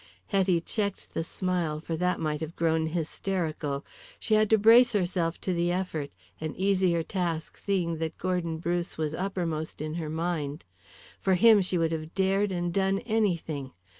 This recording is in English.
Hetty checked the smile, for that might have grown hysterical. She had to brace herself to the effort, an easier task seeing that Gordon Bruce was uppermost in her mind. For him she would have dared and done anything.